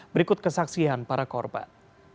berikut kesaksian para korban